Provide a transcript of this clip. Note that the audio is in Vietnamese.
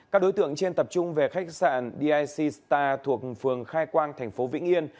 các đối tượng trên tập trung về khách sạn dic star thuộc phường khai quang thành phố vĩnh yên